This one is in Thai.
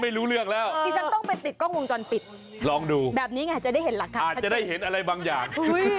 แบบนี้ไงจะได้เห็นอะไรบางอย่าง